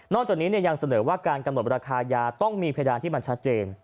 จากนี้ยังเสนอว่าการกำหนดราคายาต้องมีเพดานที่มันชัดเจน